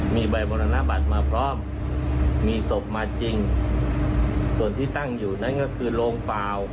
มีใบมรณบัตรมาพร้อมมีศพมาจริงส่วนที่ตั้งอยู่นั้นก็คือโรงเปล่า